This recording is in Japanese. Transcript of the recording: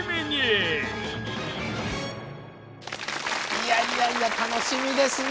いやいやいや楽しみですね。